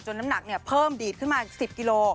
น้ำหนักเพิ่มดีดขึ้นมา๑๐กิโล